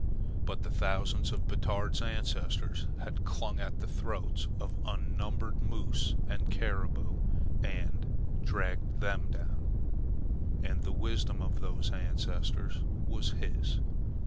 But the thousands of Batard's ancestors had clung at the throats of unnumbered moose and caribou and dragged them down, and the wisdom of those ancestors was his.